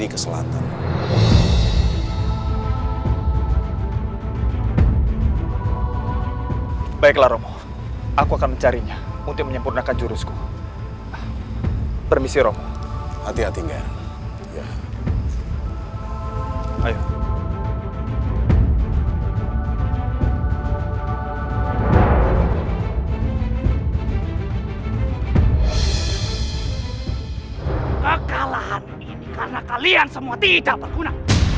kekalahan ini karena kalian semua tidak berguna